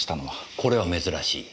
これは珍しい。